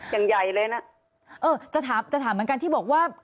อย่างใหญ่เลยนะเออจะถามจะถามเหมือนกันที่บอกว่า